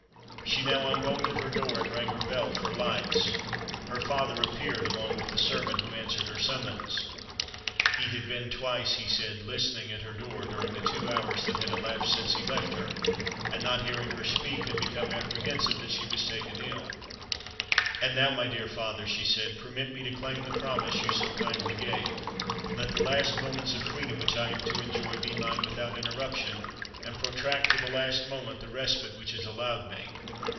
She now unbolted her door, and rang her bell for lights. Her father appeared along with the servant who answered her summons. "He had been twice," he said, "listening at her door during the two hours that had elapsed since he left her, and, not hearing her speak, had become apprehensive that she was taken ill." "And now, my dear father," she said, "permit me to claim the promise you so kindly gave; let the last moments of freedom which I am to enjoy be mine without interruption; and protract to the last moment the respite which is allowed me."